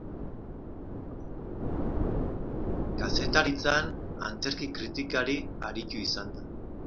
Kazetaritzan antzerki kritikari aritu izan da.